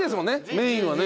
メインはね。